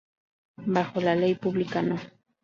Bajo la Ley Pública No.